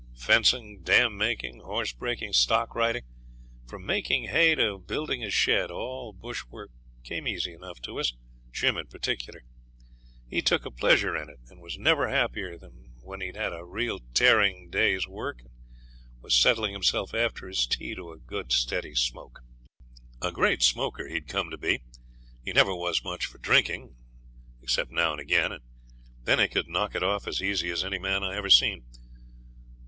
Fencing, dam making, horse breaking, stock riding, from making hay to building a shed, all bushwork came easy enough to us, Jim in particular; he took a pleasure in it, and was never happier than when he'd had a real tearing day's work and was settling himself after his tea to a good steady smoke. A great smoker he'd come to be. He never was much for drinking except now and again, and then he could knock it off as easy as any man I ever seen.